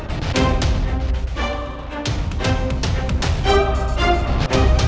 gimana siapa jalan dulu